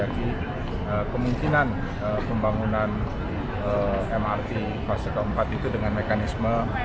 jadi kemungkinan pembangunan mrt fase keempat itu dengan mekanisme